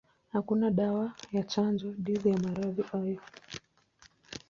Hakuna dawa ya chanjo dhidi ya maradhi hayo.